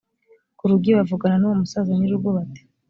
ku rugi bavugana n uwo musaza nyir urugo bati